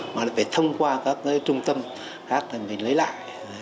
mà là phải thông qua các cái trung tâm khác mình lấy lại